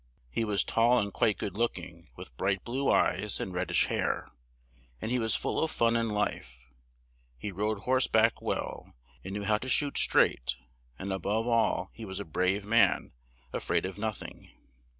He was tall and quite good look ing, with bright blue eyes and red dish hair, and he was full of fun and life; he rode horse back well, and knew how to shoot straight; and a bove all he was a brave man, a fraid of noth ing.